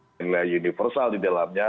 nilai universal di dalamnya